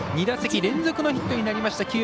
２打席連続のヒットになりました